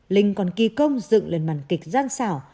linh còn kỳ công dựng lên màn kịch gian xảo